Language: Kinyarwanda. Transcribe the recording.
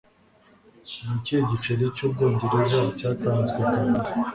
Ni ikihe giceri cy'Ubwongereza cyatanzwe bwa mbere